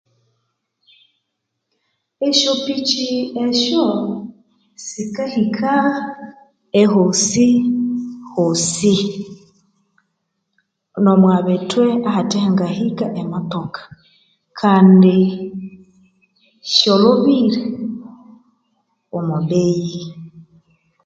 Eshopiki esho sikahika eyosihosi nomobitwe ahathehangahika nemotoka Kandi sholhobire omubeyi